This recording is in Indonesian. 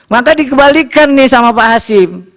maka dikembalikan nih sama pak hasim